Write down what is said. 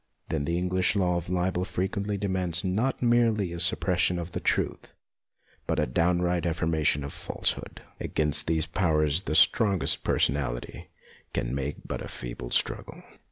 Then the English law of libel frequently 158 MONOLOGUES demands not merely a suppression of the truth, but a downright affirmation of false hood. Against these powers the strongest personality can make but a feeble struggle.